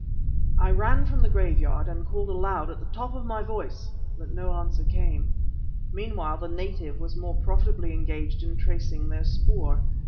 I ran from the graveyard and called aloud at the top of my voice, but no answer came. Meanwhile the native was more profitably engaged in tracing their spoor.